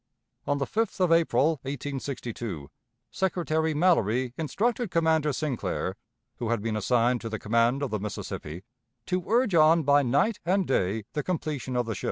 On the 5th of April, 1862, Secretary Mallory instructed Commander Sinclair, who had been assigned to the command of the Mississippi, to urge on by night and day the completion of the ship.